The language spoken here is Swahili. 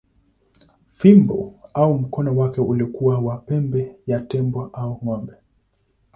Fimbo au mkono wake ulikuwa wa pembe ya tembo au ng’ombe.